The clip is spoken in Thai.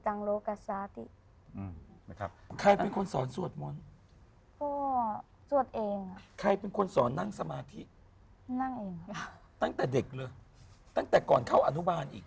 ตั้งแต่เด็กเหรอตั้งแต่ก่อนเข้านุบาลอีก